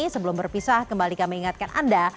sebelum berpisah kembali kami ingatkan anda